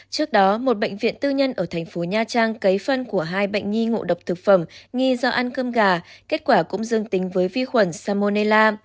trước đó một bệnh viện tư nhân ở thành phố nha trang cấy phân của hai bệnh nhi ngộ độc thực phẩm nghi do ăn cơm gà kết quả cũng dương tính với vi khuẩn salmonella